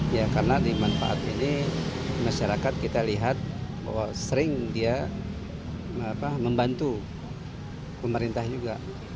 ya karena di manfaat ini masyarakat kita lihat bahwa sering dia membantu pemerintah juga